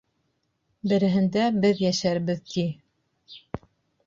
Береһендә беҙ йәшәрбеҙ, ти.